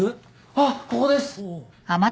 あっここです！